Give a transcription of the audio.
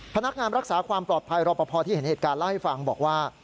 พนักงานรักษาความปลอดภัยรอปภที่เห็นเหตุการณ์เล่าให้ฟังบอกว่า